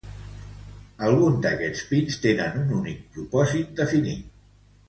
Alguns d'estos pins tenen un únic propòsit definit.